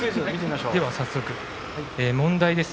では早速、問題です。